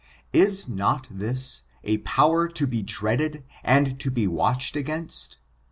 Is not this a power to be dread ed, and to be watched against?